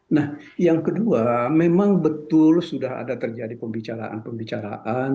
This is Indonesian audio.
nah yang kedua memang betul sudah ada terjadi pembicaraan pembicaraan